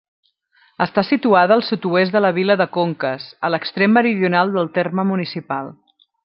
Està situada al sud-oest de la vila de Conques, a l'extrem meridional del terme municipal.